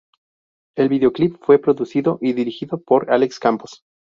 El videoclip fue producido y dirigido por Alex Campos.